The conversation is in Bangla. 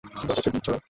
বাতাসে বীজ ছড়ায়।